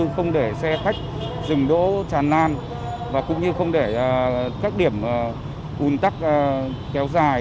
không để xe khách dừng đỗ tràn lan và cũng như không để các điểm ùn tắc kéo dài